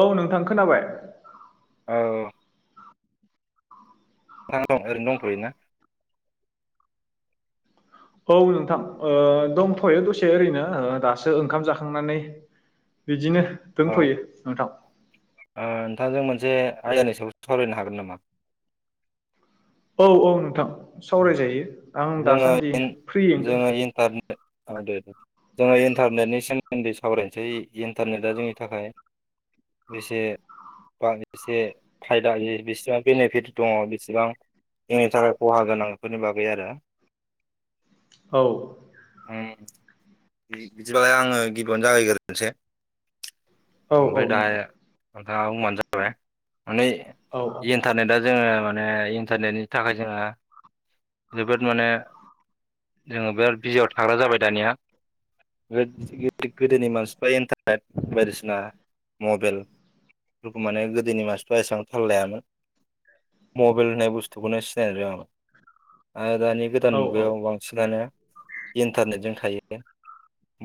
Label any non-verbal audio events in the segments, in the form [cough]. औ नोंथां खोनाबाय औ [unintelligible] ओरैनो दंथ'यो ना? औ नोंथां ओ दंथ'यो दसे ओरैनो ओ दासो ओंखाम जाखांनानै बिदिनो अ' दोनथ'यो नोंथां ओ नोंथांजों मोनसे आयदानि सायाव सावरायनो हागोन नामा? औ औ नोंथां सावरायजायो आं जोङो दासान्दि फ्रिंयैनो दोंङो अ दे उम जोङो इन्टारनेटनि सोमोन्दै सावरायसै इन्टारनेटआ जोंनि थाखाय बेसे बा एसे फायदा बेसेबां बेनिफिट दङ बेसेबां जोंनि थाखाय खहा गोनांफोरनि बागै आरो औ उम बि बिदिबालाय आङो गिबियावनो जागायगोरनोसै औ औ नोंथां नोंथाङा बुंबानो जाबाय माने औ इन्टारनेटआ जोङो माने इन टारनेटनि थाखाय जोंहा जोबोद माने जोङो बेराद बिजियाव थाग्रा जाबाय दानिया गोदोनि मानसिफ्रा इन्टारनेट बायदिसिना मबेल गोदोनि मानसिफ्रा एसां थाल लायामोन मबेल होननाय बुस्थुखौनो सिनायनो रोङामोन आरो दानि गोदान औ मुगायाव बांसिनानो इन्टारनेटजों थायो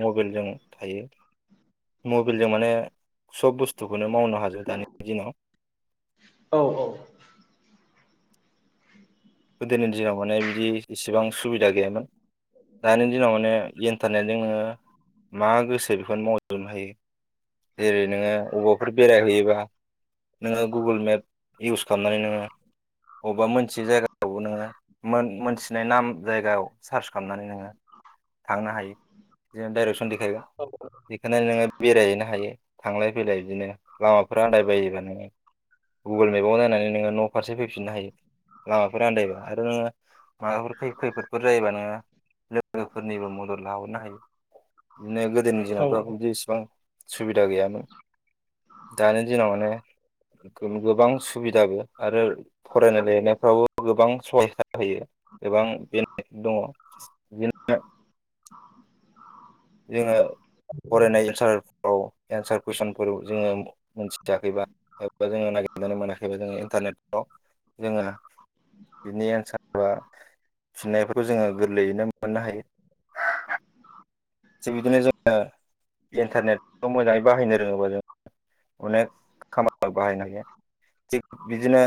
मबेलजों थायो। मबेलजों माने सब बुस्थु खौनो मावनो हाजोबो दानि दिनाव औ गोदोनि दिनाव माने बिदि इसिबां सुबिदा गैयामोन। दानि दिनाव माने इन्टारनेटजों नोङो मा गोसो बेखौनो मावजोबनो हायो। जेरै नोङो अ'बाफोर बेरायहैयोबा नोङो गुगोल मेप इउस खालामनानै नोङो। अबबा मोनथियि जायगाफ्रावबो नोङो मोन मोनथिनाय नाम जायगायाव सार्स खामनानै नोङो थांनो हायो जेन डाइरेक्सन देखायबा बेखायनो नोङो बेरायहैनो। हायो थांलाय फैलाय इदिनो लामाफोर आदायबायोबा नोङो गुगोल मेपाव नायनानै नोङो न' फारसे फैफिननो हायो। लामाफोर आन्दायबा आरो नोङो माबाफोर खै-खैफोदफोर जायोबा नोङो लोगोफोरनिबो मदद लाहरनो हायो बिदिनो गोदोनि औ दिनथ' बिदि इसिबां सुबिदा गैयामोन दानि दिनाव माने गो गोबां सुबिदाबो आरो फरायनाय लिरनायफ्रावबो गोबां सहायसा होयो। गोबां बे दङ जोङो फरायनाय एनसारफ्राव एन्सार कुइसनफोरबो जोङो मोनथियाखैबा एबा जोङो नागिरनानै मोनाखैबा जोङो इन्टारनेटफ्राव जोहा बिनि एन्सारफ्रा फिनायफोरखौ जोङो गोरलैयैनो मोननो हायो। थिग बिदिनो जोङो इन्टारनेट मोजाङै बाहायनो रोङोबा जों अनेख खामा बाहायनो हायो थिग बिदिनो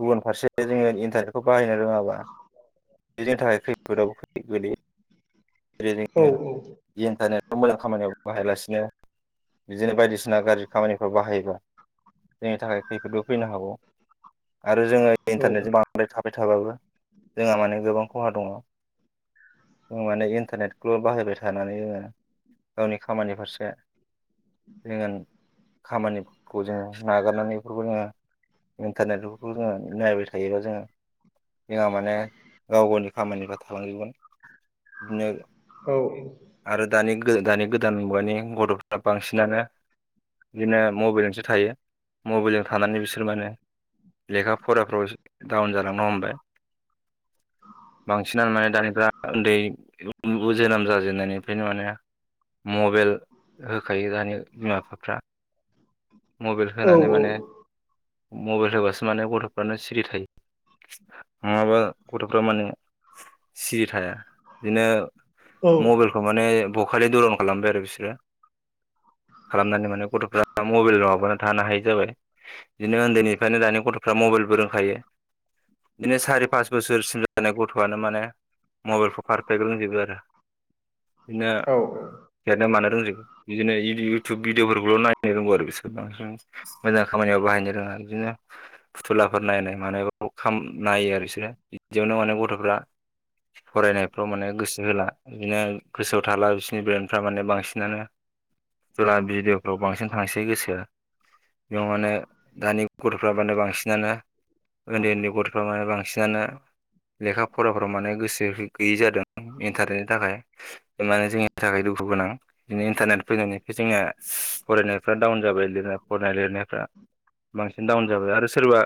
गुबुन फारसे जोङो इन्टारनेटखौ बाहायनो रोङाबा बेनि थाखाय खैफोद गोलैयो जेरै औ जोङो जि इन्टारनेट मोजां खामानियाव बाहायालासिनो बिदिनो बायदिसिना गार्जि खामानिफ्राव बाहायोबा। जोंनि थाखाय खैफोदबो फैनो हागौ आरो जोङो इन्टारनेटजों बांद्राय थाबाबो जोंहा माने गोबां खहा दङ जों माने इन इन्टारनेटखौ बाहायबाय थानानै जोङो गावनि खामानि फारसे खामानिफोरखौ जोङो नागारनानै बेफोरखौनो इन्टारनेटफोरखौ जोङो नायबाय थायोबा जोङो। जोंहा माने गाव गावनि खामानिफ्रा थालांजोबगोन बिदिनो औ आरो दानि दानि गोदान मुगानि गथ'फ्रा बांसिनानो बिदिनो मबाइलजोंसो थायो मबाइलजों थानानै बिसोर माने लेखा फराफ्राव डाउन जालांनो हमबाय [inaudible] बांसिनानो माने दानिफ्रा उन्दै बु जोनोम जाजेननायनिफ्रायनो माने मबेल हो थायो दानि बिमा बिफाफ्रा मबाइल औ होनानै माने मबाइल होबासो माने गथ'फ्रानो सिरि थायो नङाबा गथ'फ्रा माने सिरि थाया आरो बिदिनो मबाइलखौ माने बखालि दुरन खालामबाय आरो बिसोरो [inaudible] खालामनानै माने गथ'फ्रा मबाइल नङाबानो थानो हायै जाबाय बिदिनो उन्दैनिफ्रायनो दानि गथ'फ्रा मबाइल फोरोंखायो बिदिनो सारि पास बोसोरसिम जानाय गथ'आनो माने मबाइलखौ पारफेक्ट रोंजोबो नों देरनो मानो बिदिनो इउटुब भिदिअफोरखौल नायनो रोंगौ आरो बिसोर बांसिन मोजां खामानियाव बाहायनो रोङा बिदिनो फुथुलाफोर नायनाय मानाय नायो आरो बिसोरो बिदियावनो माने गथ'फ्रा फरायनायफ्राव माने गोसो होला बिदिनो गोसोआव थाला बिसोरनि ब्रेन्डफ्रा माने बांसिनानो जुला भिडिअफ्राव बांसिन थांसै गोसोआ दानि गथ'फ्रा माने बांसिनानो उन्दै उन्दै गथ'फ्रा माने बांसिनानो लेखा फराफोराव माने गोसो गैयै जादों इन्टारनेटनि थाखाय माने जोंनि थाखाय दुखु गोनां बिदिनो इन्टारनेट फैनायनिफ्राय जोंनिया फरायनायफ्रा डाउन जाबाय लिरनाय फरायनाय लिरनायफ्रा बांसिन डाउन जाबाय आरो सोरबा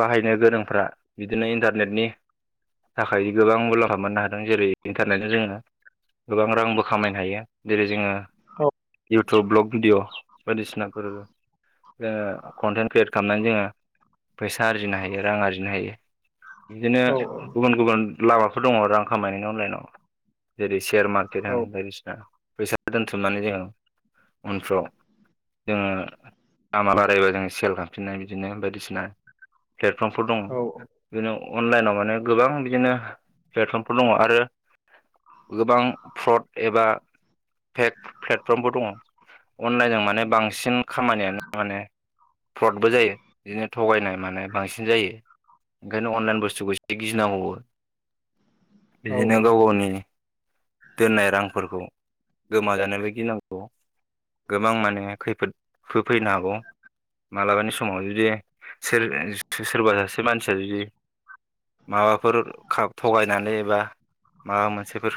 बाहायनो गोरोंफ्रा बिदिनो इन्टारनेटनि थाखाय गोबां मुलाम्फा मोननो हादों जेरै - इन्टारनेटजों जोङो गोबां रांबो खामायनो हायो जेरै जोङो इउटुब ब्लग भिडिअ बायदिसिनाफोर जोङो कन्टेन्ट क्रियेट खालामनानै जोङो फैसा आरजिनो हायो रां आरजिनो हायो बिदिनो गुबुन गुबुन लामाफोर दङ रां खामायनायनि अनलाइनाव जेरै सेयार मार्केट होन बायदिसिना। फैसा दोनथुमनानै जोङो उनफ्राव। जोङो दामा बारायबा जों सेल खालामफिननो हायो बिदिनो बायदिसिना प्लेटफर्मफोर दङ बिदिनो अनलाइनाव माने गोबां बिदिनो प्लेटफर्मफोर दङ आरो गोबां फ्रड एबा फेक प्लेटफर्मफोर दङ अनलाइनजों माने बांसिन खामानियानो माने फ्रदबो जायो बिदिनो थगायनाय मानाय बांसिन जायो ओंखायनो अनलाइन बुस्थुखौ एसे गिनांगौबो [inaudible] बिदिनो गाव गावनि दोननाय रांफोरखौ गोमाजानोबो गिनांगौ गोबां माने खैफोद होफैनो हागौ मालाबानि समाव जुदि सोर सोरबा सासे मानसिया जुदि माबाफोर थगायनानै एबा माबा मोनसेफोर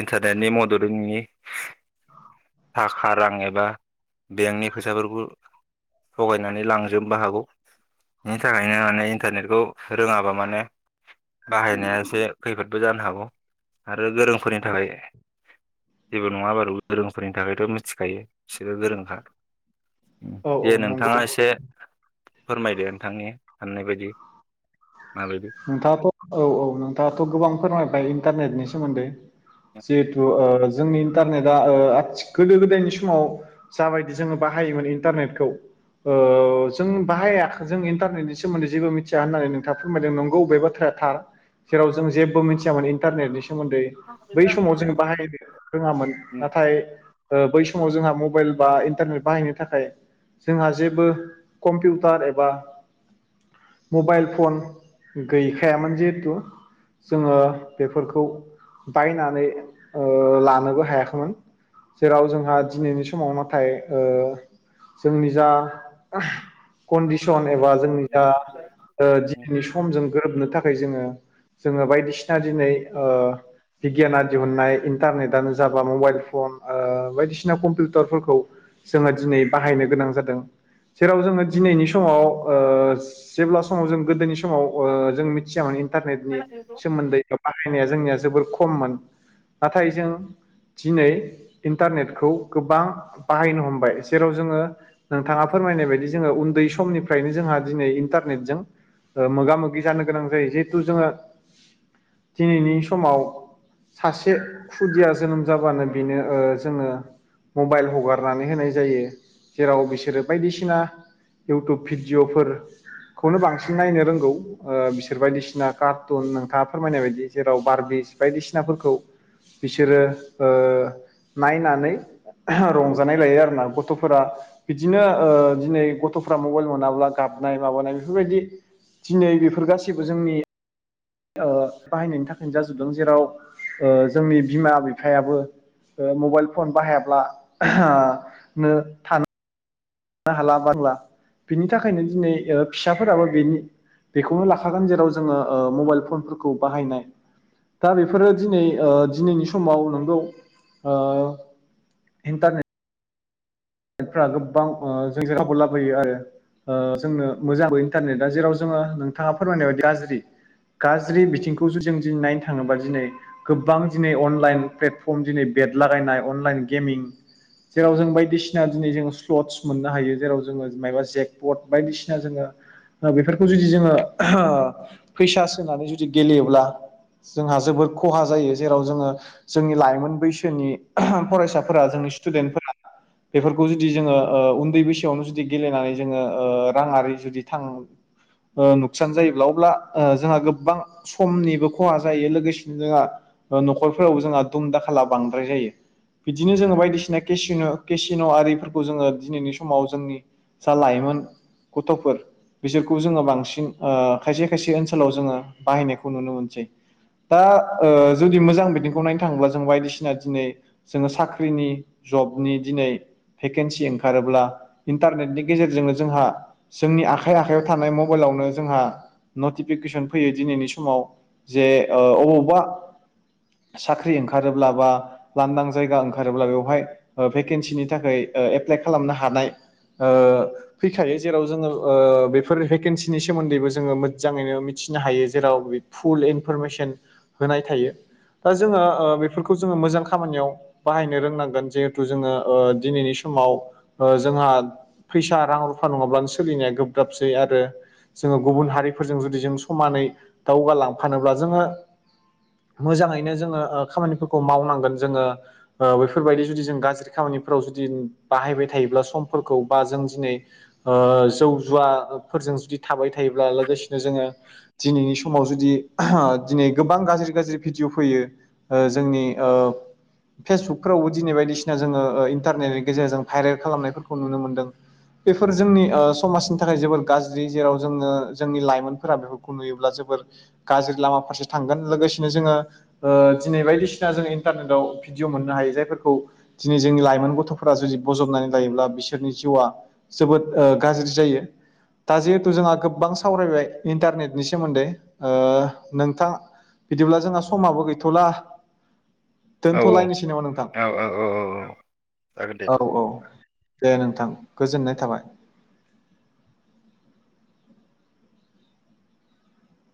इन्टारनेटनि मददनि थाखा रां एबा बेंकनि फैसाफोरखौ थगायनानै लांजोबबो हागौ बिनि थाखायनो माने इन्टारनेटखौ रोङाबा माने बाहायनाया एसे खैफोदबो जानो हागौ आरो गोरोंफोरनि थाखाय जेबो नङाबारु गोरोंफोरनि थाखायथ' मिथिखायो बिसोरो गोरोंखा दे नंगौ नोंथाङा एसे फोरमायदो नोंथांनि साननाय बायदि दे नोंथाङाथ' औव औव नोंथाङाथ' गोबां फोरमायबाय इन्टारनेटनि सोमोन्दै जिहेथु ओ जोंनि इन्टारनेटआ ओ गोदो गोदायनि समाव जाबायदि जोङो बाहाय बाहायोमोन इन्टारनेटखौ ओ जों बाहायाखै जों इन्टारनेटनि सोमोन्दै जेबो मिथिया होननानै नोंथा फोरमायदों नंगौ। बे बाथ्राया थार जेराव जों जेबो मिथियामोन इन्टारनेनि सोमोन्दै बै समाव जोंङो बाहायनो रोङामोन नाथाय ओ बै समाव जोंहा मबाइल बा इन्टारनेट बाहायनो थाखाय जोंहा जेबो कम्पिउटार एबा मबाइल फन गैखायामोन जिहेथु। जोङो बेफोरखौ बायनानै ओ लानोबो हायाखैमोन। जेराव जोंहा दिनैनि समाव नाथाय ओ जोंनि जा कन्दिसन एबा जोंनि ओ दिनैनि सम जों गोरोबनो थाखाय जोङो जोङो बायदिसिना दिनै ओ बिगियाना दिहुननाय इन्टारनेटआनो जाबा मबाइल फन ओ बायदिसिना कम्पिउटारफोरखौ जोङो दिनै बाहायनो गोनां जादों। जेराव जोङो दिनैनि समाव ओ जेब्ला समाव जों गोदोनि सम समाव ओ जों मिथियामोन इन्टारनेटनि सोमोन्दै बाहायनाया जोंनिया जोबोर खममोन। नाथाय जों दिनै इन्टारनेटखौ गोबां बाहायनो हमबाय जेराव जोङो नोंथाङाफोर फोरमायनाय बायदि जोङो उन्दै समनिफ्रायनो जोंहा दिनै इन्टारनेटजों ओ मोगा मोगि जानो गोनां जायो जिहेथु जोङो दिनैनि समाव सासे खुदिया जोनोम जाबानो बेनो ओ जोङो मबाइल हगारनानै होनाय जायो जेराव बिसोरो बायदिसिना इउटुब भिडिअफोरखौनो बांसिन नायनो रोंगौ ओ बिसोर बायदिसिना कार्टुन नोंथाङा फोरमायनाय बायदि जेराव बारबिस बायदिसिना फोरखौ बिसोरो ओ नायनानै रंजानाय लायो आरोना गथ'फोरा बिदिनो ओ दिनै गथ'फोरा मबाइल मोनाब्ला गाब मानाय माबानाय बेफोरबायदि दिनै बेफोर गासैबो जोंनि ओ बाहायनायनि थाखायनो जाजोबदों जेराव ओ जोंनि बिमा बिफायाबो ओ मबाइल फन बाहायाब्ला नो थानो थानो हाला बांला बिनि थाखायनो दिनै ओ फिसाफोराबो बेनि बेखौनो लाखागोन जेराव जोङो ओ मबाइल फनफोरखौ बाहायनाय दा बेफोरो दिनै ओ दिनैनि समाव नंगौ ओ इन्टारने फ्रा गोबां जोंजों गावखौ लाबोयो आरो ओ जोंनो मोजां इन्टारनेटआ जेराव जोङो नोंथाङा फोरमायनाय बायदि गाज्रि गाज्रि बिथिंखौ जु जों दिनै नायनो थाङोबा दिनै गोबां दिनै अनलाइन प्लेटफर्म दिनै बेट लागायनाय अनलाइन गेमिं जेराव जों बायदिसिना बायदिसिना दिनै जोङो स्लद्स मोननो हायो जेराव जोङो मायबा जेकबर्ड बायदिसिना जोङो बेफोरखौ जुदि जोङो फैसा सोनानै जुदि गेलेयोब्ला जोंहा जोबोद खहा जायो जेराव जोङो जोंनि लाइमोन बैसोनि फरायसाफोरा जोंनि स्टुडेन्टफोर बेफोरखौ जुदि जोङो ओ उन्दै बैसोआवनो जुदि गेलेनानै जोङो ओ राङारि जुदि थां ओ नुकसान जायोब्ला अब्ला ओ जोंहा गोबां समनिबो खहा जायो लोगोसेनो जोंहा ओ न'खरफोरावबो जोंहा दुम दाखाला बांद्राय जायो बिदिनो जोङो बायदिसिना केसिनो केसिन' आरिफोरखौ जोङो दिनैनि समाव जोंनि जा लाइमोन गथ'फोर बिसोरखौ जोङो बांसिन ओ खायसे खायसे ओनसोलाव जोङो बाहायनायखौ नुनो मोनसै। दा ओ जुदि मोजां बिथिंखौ नायनो थाङोब्ला जों बायदिसिना दिनै जोङो साख्रिनि जबनि दिनै भेकन्सि ओंखारोब्ला इन्टारनेटनि गेजेरजोंनो जोंहा जोंनि आखाइ आखाइयाव थानाय मबाइलाव यावनो जोंहा नटिफिकेसन फैयो दिनैनि समाव जे औ अबावबा साख्रि ओंखारोब्ला बा लांदां जायगा ओंखारोब्ला बेवहाय ओ भेकेन्सिनि थाखाय ओ एप्लाइ खालामनो हानाय ओ फैखायो जेराव जोङो ओ बेफोर भेकेन्सिनि सोमोन्दैबो जोङो मोजाङैनो मिथि फिननो हायो जेराव बे फुल इनफरमेसन होनाय थायो। दा जोङो ओ बेफोरखौ जोङो मोजां खामानियाव बाहायनो रोंनांगोन जे थु जोङो ओ दिनैनि समाव ओ जोंहा फैसा रां रुफा नङाब्लानो सोलिनाया गोब्राबसै आरो जोङो गुबुन हारिफोरजों जुदि जों समानै दावगालांफानोब्ला जोङो मोजाङैनो जोङो ओ खामानिफोरखौ मावनांगोन जोङो ओ बेफोरबायदि जुदि जों गाज्रि खामानिफोराव जुदिम बाहायबाय थायोब्ला समफोरखौ बा जों दिनै ओ जौ जुवा बा ओ फोरजों जुदि थाबाय थायोब्ला लोगोसेनो जोङो दिनैनि समाव जुदि दिनै गोब गोबां गाज्रि गाज्रि भिडिअ फैयो ओ जोंनि ओ फेसबुकफ्रावबो दिनै बायदिसि सिना जोङो ओ इन्टारनेटनि गेजेरजों भाइरेल खालामनायफोरखौ नुनो मोन्दों। बेफोर जोंनि ओ समाजनि थाखाय जोबोद गाज्रि जेराव जोङो जोंनि लाइमोनफोरा बेफोरखौ नुयोब्ला जोब बोर गाज्रि लामा फारसे थांगोन लोगोसेनो जोङो ओ दिनै बायदिसिना जोङो इन्टारनेटआव भिडिअ मोननो हायो जायफोरखौ दिनै जोंनि लाइमोन गथ'फोरा जुदि बजबनानै लायोब्ला बिसोरनि जिउआ जोबोद ओ गाज्रि जायो। दा जिहेथु जोंहा गोबां सावरायबाय इन्टारनेटनि सोमोन्दै ओ नोंथा बिदिब्ला जोंहा समाबो गैथ'ला औ दोनथ'लायनोसै नामा नोंथां? औ औ औ औ जागोन दे औ नोंथां। औ दे नोंथां गोजोननाय थाबाय।